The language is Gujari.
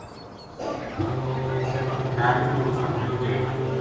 لاری رُڑتاں ما یوہ کِ